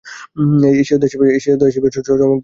এশীয় দেশ হিসেবে চমক দেখিয়েছে জাপানও।